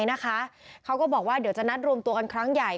ตัวเองยังไงนะคะเขาก็บอกว่าเดี๋ยวจะนัดรวมตัวกันครั้งใหญ่